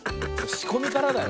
しこみからだよ。